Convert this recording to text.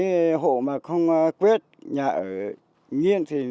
cái hộ mà không quyết nhà ở nghiêng thì